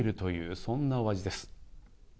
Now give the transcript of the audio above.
そんなお味です。